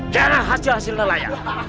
jangan hasil hasilnya layak